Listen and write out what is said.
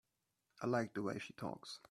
I like the way she talks.